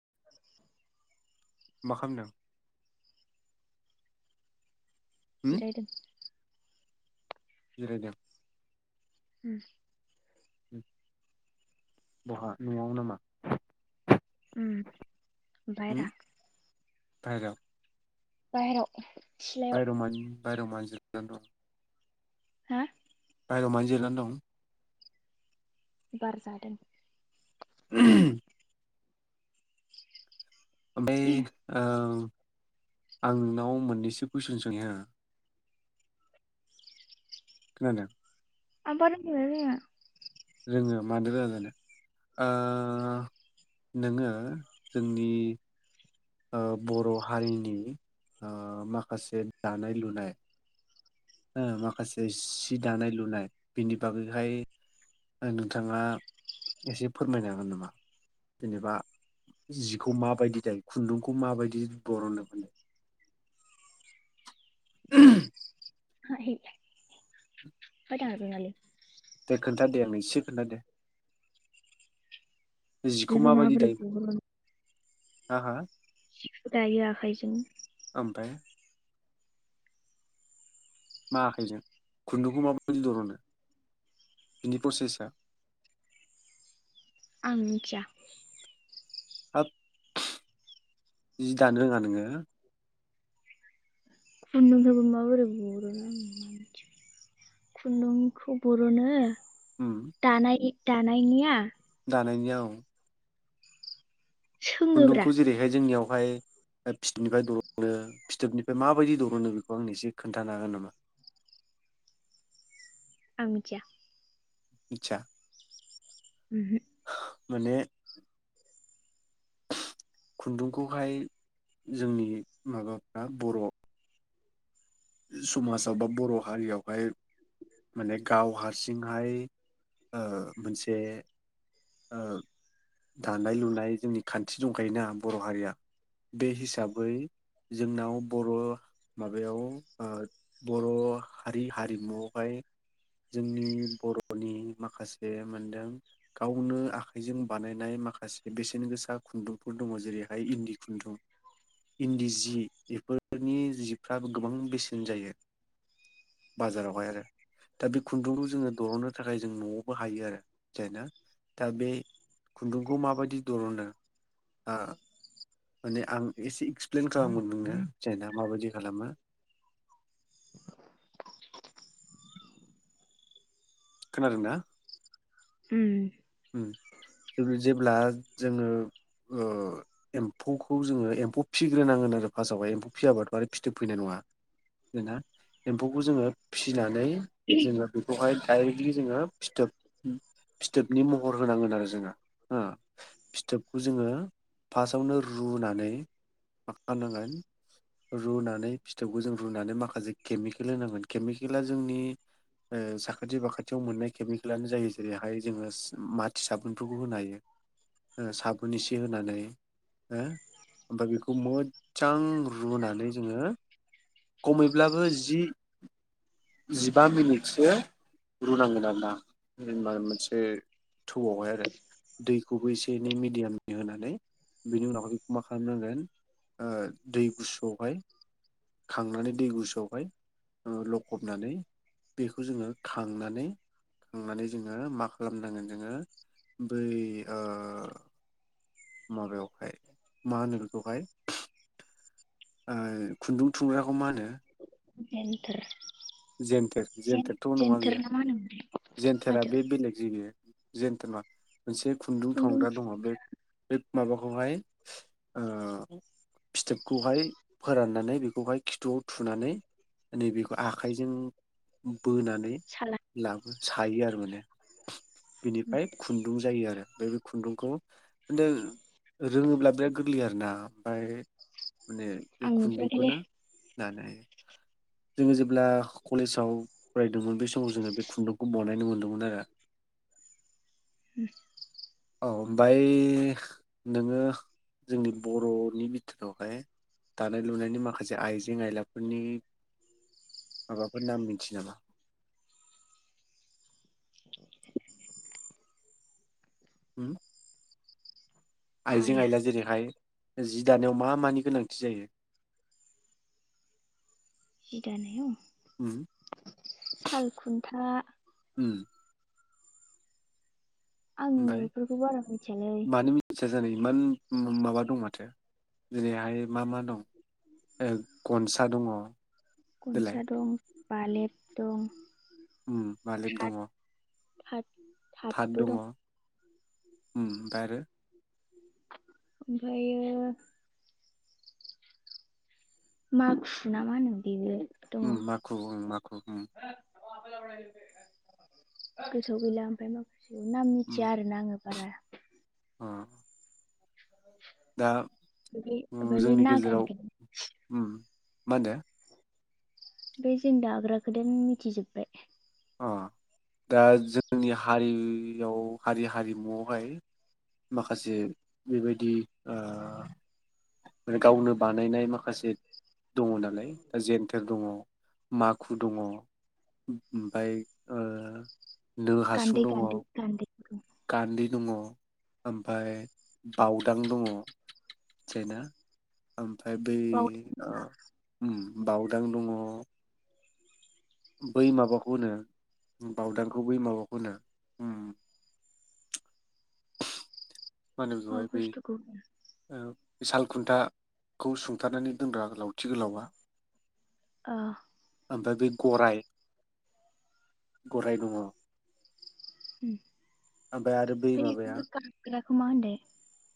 [inaudible] मा खामदों? जिरायदों। जिरायदों? उम बहा न'आव नामा? उम बायरा। बायराव बाहेराव। सिलायाव बायेराव मानो बायेराव मानो ज'दों? जन्द हा बायहायाव मानो जानो दं? बारजादों। [inaudible] ओमफ्राय ओ आं नोंनाव मोननैसो कुइसन सोंङो खोनादों [unintelligible] रोङो मानो रोङा जानो ओ नोङो जोंनि ओ बर' हारिनि ओ माखासे दानाय लुनाय ओ माखासे सि दानाय लुनाय बेनि बागैहाय नोंथाङा एसे फोरमायनो हागोन नामा जेनेबा जिखौ माबायदि दायो खुन्दुंखौ माबायदि बरननो हायो [inaudible] होथ आं रोंङालै था देरनैसो खोन्थादे जिखौ बिबा माबायदि माबोरै दायो गबोगोन हा हा दायो आखायजों ओमफ्राय मा आखायजों खुन्दुंखौ माबायदि दरनो बिनि प्रसेसा आं मिथिया हाब जि दानो रोङा नोङो खुन्दुंफ्राबो माबोरै बर'नो आं मान खुन्दुंखौ बर'नो उम दा नाय दानायनिया दानायनिया औ सोङोब्रा खुन्दुंखौ जेरैहाय जोंनियाव ओमफ्राय फिथोबनिफ्राय दरनो फिथोबनिफ्राय माबायदि दर'नो बेखौ आं एसे खोन्थानो हागोन नामा आं मिथिया मिथिया ओहो माने खुन्दुंखौहाय जोंनि माबाफ्रा बर' समाजाव बा बर' हारियावहाय माने गाव हारसिंहाय ओ मोनसे ओ दानाय लुनाय जोंनि खान्थि दंखायोना बर' हारिया बे हिसाबै जोंनाव बर' माबायाव बर' हारि हारिमुआवहाय जोंनि बर'नि माखासे मोनदों गावनो आखाइजों बानायनाय माखासे बेसेन गोसा खुन्दुंफोर दङ जेरैहाय इन्दि खुन्दुं इन्दि जि बेफोरनि जिफ्राबो गोबां बेसेन जायो बाजारावहाय आरो दा बे खुन्दुंखौ जोङो दर'नो थाखाय जों न'आवबो हायो आरो जाय ना दा बे खुन्दुंखौ माबायदि दर'नो ओ माने आं एसे एक्सप्लेन खालामगोन नोंनो जायना माबायदि खालामो खोनादोंना उम उम जेब्ला जोङो एम्फौखौ जोङो एम्फौ फिग्रोनांगोन आरो फार्स्टआवहाय एम्फौ फियाबाथ' आरो फिथोब फैनाय नङा जोंहा एम्फौखौ जोङो फिसिनानै जेनेबा बेखौहाइ दडाइरेक्टलि जोङो फिथोब फिथोब नि महर होनांगोन आरो जोङो हो फिथोबखौ जोङो फार्स्टआवनो रुनानै मा खालामनांगोन रुनानै फिथोबखौ जों रुनानै माखासे केमिकेल होनांगोन केमिकेला जोंनि साखाथि बाखाथियाव मोननाय केमिकेलानो जायो जेरैहाय जोङो माथि साबुनफोरखौ होनाय साबुन एसे होनानै ओ ओमफ्राय बेखौ मोजां रुनानै जोङो खमैब्लाबो जि जिबा मिनिटसो रुनांगोन आर ना होमबा मोनसे ओ थौआवहाय आरो दैखौबो एसे एनै मिडियामनि होनानै बिनि उनावहाय बेखौ मा खालामनांगोन दै गुसुआवहाय खांनानै दै गुसुआवहाय लखबनानै बेखौ जोङो खांनानै खांनानै जोङो मा खालामनांगोन जोङो बै ओ माबायावहाय मा होनो बेखौहाय। खुन्दुं थुंग्राखौ मा होनो। होनो। जेनथेर। जेन्थेर जेन्थेरथ नङा बेयो। ना मा होनोमोनलाय जेेनथेरा माथो बे बेलेग जायो। जेनथेर नङा मोनसे खुन्दुं थनग्रा दङ बे बे माबाखौहाय ओ फिथोबखौहाय फोराननानै बेखौहाय खिथुआव थुनानै नैबेखौ आखाइजों बोना नै साला लां सायो आरो माने। बिनिफ्राय खुन्दुं जायो आरो। बै बे खुन्दुंखौ बे रोङोब्ला बिराद गोरलै आरोना ओमफ्राय माने बे आं नुफेराखैलै खुन्दुंखौनो दानो हायो। जोङो जेब्ला कलेजाव फरायदोंमोन बे समाव जोङो बे खुन्दुंखौ बानायनो मोनदोंमोन आरो। औ ओमफ्राय नोङो जोंनि बर'नि बिथोरावहाय दानाय लुनायनि माखासे आइजें आयलाफोरनि माबाफोर नाम मिथियो नामा। होम। आइजें आया आइला जेरैहाय जि दानायाव मा मानि गोनांथि जायो। जि दानायाव उम साल खुन्था उम आं ओमफ्राय बेफोरखौ बारा मिथियालै। मानो मिथिया जानो इमान माबा दं माथो जेरैहाय मा मा दं गनसा दङ। देलाय गनसा दं। बालेब दं। बालिब दङ। थाद। थाथ थादबो दङ दं। उम ओमफ्राय आरो ओमफायो माखु ना मा होनो बेबो दङ उम माखु ओं माखु उम। गोसोआव गैला ओमफ्राय माबा नाम उम मिथिया आरोना आङो बारा। अ दा बे ओ ओमफ्राय बे जोंनि गेजेराव नागानखौ उम मा होनदो? बे जों दाग्राखौ दोन मिथिजोब्बाय। ओ दा जोंनि हारियाव हारि हारिमुआवहाय माखासे बेबायदि ओ माने गावनो बानायनाय माखासे दङ नालाय दा जेन्थेर दङ। माखु दङ। ओमफ्राय ओ नो हासुं गानदै दङ गानदै गानदै। गान्दै दङ ओमफ्राय बावदां दङ थिना? फाइ बे बावदों ओ ओम बावदां दङ बै माबाखौ होनो बावदांखौ बै माबाखौ होनो ओम मानोब मा जाय बे बुस्थुखौ ओ साल खुन्थाखौ सुंथानानै दोनग्रा गोलावथि गोलावा अ ओमफ्राय बे गराय गराय दङ। उम। ओमफ्राय आरोबो माबाया हो मा होनदे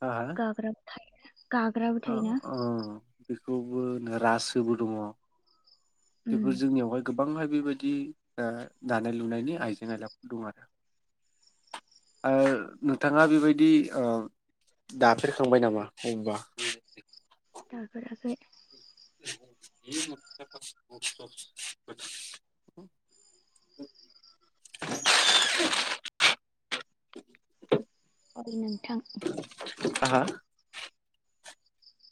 हा हा गाग्रा थायोना गाग्राबो ओ थायोना? ओ बेखौबो रासोबो दङ। उम बेफोर जोंनियावहाय गोब बांहाय बेबायदि दानाय लुनायनि आइजें आयलाफोर दं आरो ओ नोंथाङा बेबायदि दाफेरखांबाय नामा बबा दाफेराखै। [inaudible] ओइ नोंथां। हा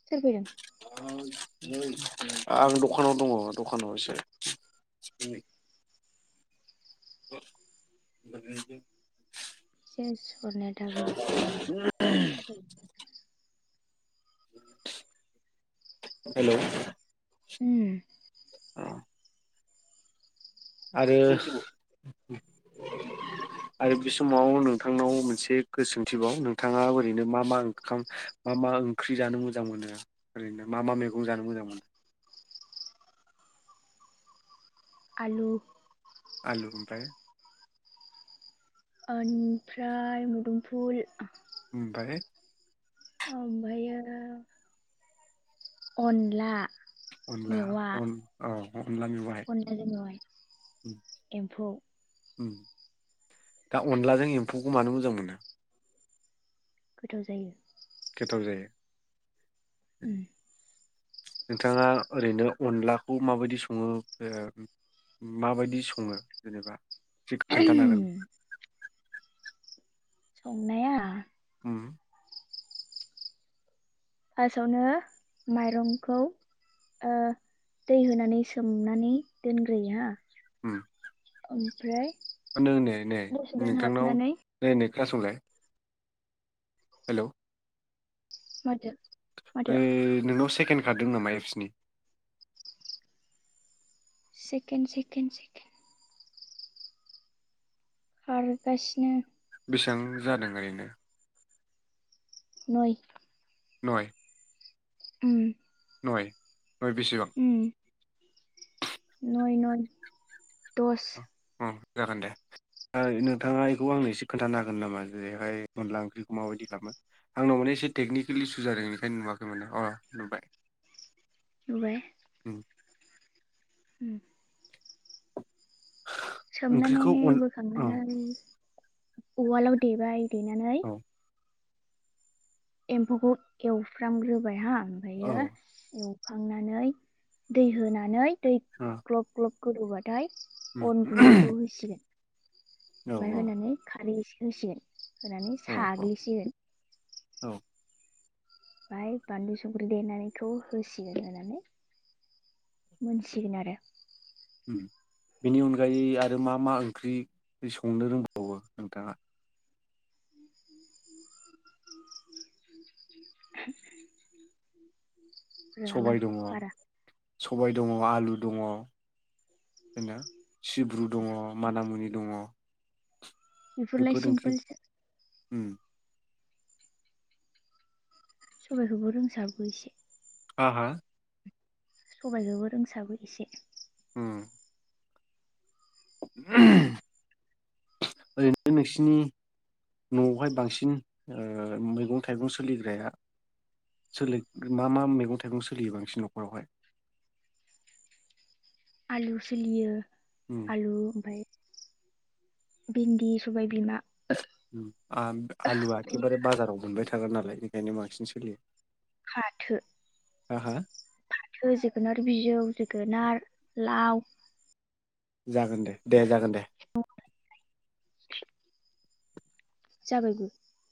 सोर फैदों? आं दखानाव दंङ दखानाव एसे हे सर नेथाबो हेलौ उम। आरो आरो बे समाव नोंथांनाव मोनसे गोसोथिबाव नोंथाङा ओरैनो मा मा ओंखाम मा मा ओंख्रि जानो मोजां मोनो ओरैनो मा मा मैगं जानो मोजां मोनो? आलु। आलु ओमफ्राय ओमफ्राय मुदुमफुल ओमफाय ओमफ्रायो अनला अनलान मेवा औ अनला मेवाइ अनलाजों मेवाइ एम्फौ ओम दा अनलाजों एम्फौखौ मानो मोजां मोनो? गोथाव जायो गोथाव जायो उम नोंथाङा ओरैनो अनलाखौ माबायदि आ संङो माबायदि संङो जेनेबा थिख खोन्थानांगोन संनाया उम फार्सआवनो माइरंखौ ओ दै होनानै सोमनानै दोनग्रोयो हा उम ओमफ्राय नै नै नै दसे नोंथांनाव दोनहाबनानै नायनाय खोनासंलाय हेलौ माथो माथो ओइ नोंनाव सेक थोनखादों नामा एपसनि सेकेन सेकेेन सेकेन खारगासिनो बेसांजादों ओरैनो नय नय उम नय ओय बेसेबां उम नय नय दस उम जागोन‌ दे ओय नोंथाङा बेखौ आंनो एसे खोन्थानो हागोन नामा बेहाय अनला ओंख्रिखौ माबायदि खालामो आंनाव माने एसे टेकनिकेलि इसु जादों बेनिखायनो नुवाखै माने अ नुबाय नुबाय [inaudible] उम सोमनानै ओंख्रिखौ अन औ बोखांनानै औवालाव देबाय देनानै औ एम्फौखौ एवफ्रामग्रोबाय हा औ ओमफ्रायो एव खांनानै दै होनानै दै ओ ग्लब ग्लब गोदौबा ओमफ्राय उम अन गुन्दैखौ होसिगोन औ ओमफ्राय होनानै खारि एसे होसिगोन होनानै औ औ साग्लिसिगोन औ ओमफाय बानलु संख्रि देनायखौ होसिगोन होनानै मोनसिगोन आरो उम बेनि अनगायै आरो मा मा ओंख्रि संनो रोंबावो नोंथाङा [inaudible] रोङालां सबाय दङ बारा सबाय दङ आलु दङ दिनो सिब्रु दङ मानामुनि दङ' बेफोरलाय सिमफोलसो ओम सबाइखौबो रोंसाबो एसे हा हा सबाइखौबो रोंसाबो एसे उम ओरैनो नोंसिनि न'आवहाय बांसिन ओ मैगं थाइगं सोलिग्राया सोलि मा मा मैगं थाइगं सोलियो बांसिन न'खरावहाय आलु सोलियो उम आलु ओमफाय भिन्दि सबाय बिमा उम आ आलु एखेबारे बाजाराव मोनबाय था थाग्रा नालाय ओंखायनो बांसिन सोलियो फाथो हा हा फाथो जोगोनार बिजौ जोगोनार लाव जागोन दे दे जागोन दे जाबायबो